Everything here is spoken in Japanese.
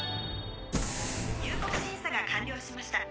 入国審査が完了しました。